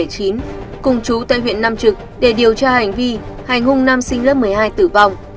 cùng chú tại huyện nam trực để điều tra hành vi hành hung nam sinh lớp một mươi hai tử vong